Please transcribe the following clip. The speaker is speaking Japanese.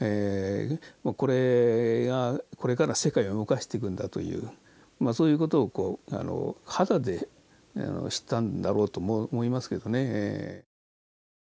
これがこれから世界を動かしていくんだという事を肌で知ったんだろうと思いますけどね。